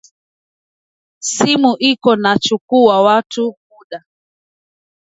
Simu iko na chukuwa watu muda